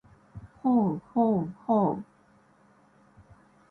ほうほうほう